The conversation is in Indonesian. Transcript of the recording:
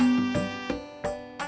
ada apa be